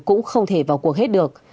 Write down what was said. cũng không thể vào cuộc hết được